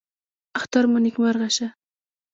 اختر مو نیکمرغه شه